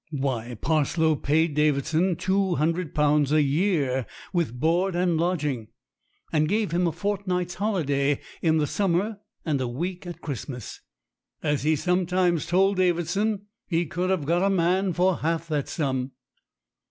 Why, Parslow paid David son two hundred pounds a year, with board and lodg ing, and gave him a fortnight's holiday in the summer and a week at Christmas. As he sometimes told Da vidson, he could have got a man for half that sum.